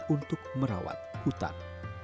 untuk merawat hutan